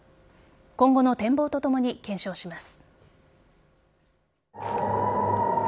今後の展望とともに検証します。